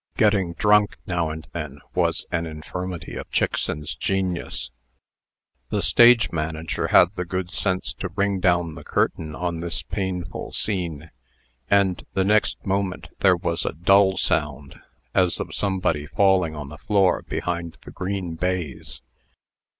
Getting drunk, now and then, was an infirmity of Chickson's genius. The stage manager had the good sense to ring down the curtain on this painful scene, and, the next moment, there was a dull sound, as of somebody falling on the floor behind the green baize.